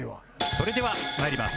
それでは参ります。